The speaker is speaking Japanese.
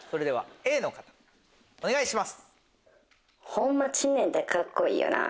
Ｂの方お願いします。